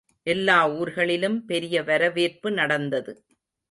எல்லா ஊர்களிலும் பெரிய வரவேற்பு நடந்தது.